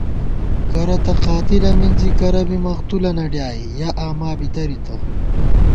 کرہ تہ قاتِلہ مِنزی کرہ بی مقتُولَنہ ڈیائے یَہ آما بی دَرِتہ